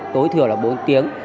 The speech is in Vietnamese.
tối thừa là bốn tiếng